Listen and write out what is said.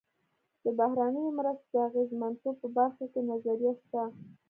د بهرنیو مرستو د اغېزمنتوب په برخه کې نظریه شته.